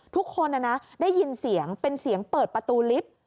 ทุกคนได้ยินเสียงเป็นเสียงเปิดประตูลิฟต์